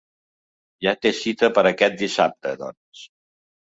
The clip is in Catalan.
Ja té cita per aquest dissabte, doncs.